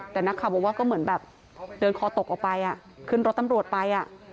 แต่นักข่าวบอกว่าก็เหมือนแบบเดินคอตกออกไปขึ้นรถตำรวจไป